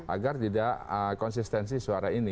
agar tidak konsistensi suara ini